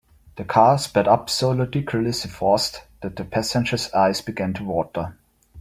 The car sped up so ludicrously fast that the passengers eyes began to water.